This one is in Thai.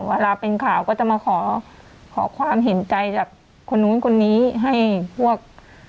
เวลาเป็นข่าวก็จะมาขอขอความเห็นใจจากคนนู้นคนนี้ให้พวก